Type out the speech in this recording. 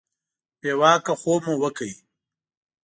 بې واکه خوب مو وکړ.